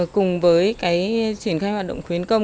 cùng với triển khai hoạt động khuyến công